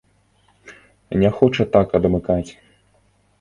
Не хоча так адмыкаць.